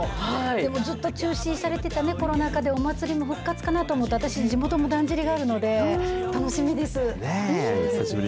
でもずっと中止されてたコロナ禍でお祭りも復活かなと思って、私、地元のだんじりがあるので、楽しみです。